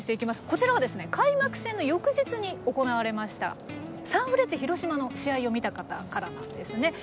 こちらはですね開幕戦の翌日に行われましたサンフレッチェ広島の試合を見た方からなんですね。